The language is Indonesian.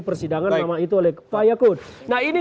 persidangan nama itu oleh pak yakut nah ini